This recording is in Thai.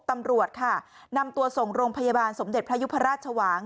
ตำรวจค่ะนำตัวส่งโรงพยาบาลสมเด็จพระยุพราชชวาง